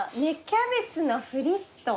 キャベツのフリットと。